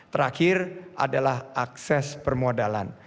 terakhir adalah akses permodalan